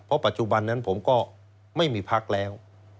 เพราะปัจจุบันนั้นผมก็ไม่มีพักแล้ว